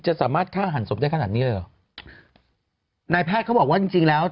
จะสามารถฆ่าหันศพได้ขนาดนี้เลยเหรอนายแพทย์เขาบอกว่าจริงจริงแล้ว